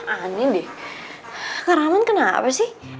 aneh deh kak raman kenapa sih